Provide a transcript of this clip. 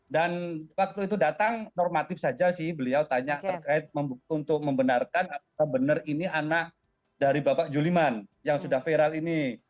dan waktu itu datang normatif saja sih beliau tanya terkait untuk membenarkan apakah benar ini anak dari bapak juliman yang sudah viral ini